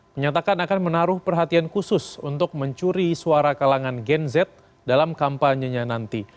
menyatakan akan menaruh perhatian khusus untuk mencuri suara kalangan gen z dalam kampanyenya nanti